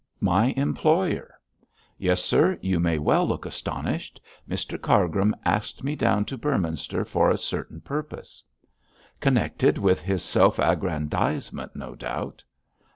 'My employer. Yes, sir, you may well look astonished. Mr Cargrim asked me down to Beorminster for a certain purpose.' 'Connected with his self aggrandisement, no doubt.'